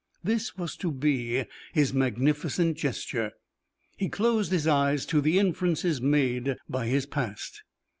This was to be his magnificent gesture; he closed his eyes to the inferences made by his past.